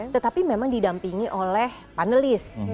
tetapi memang didampingi oleh panelis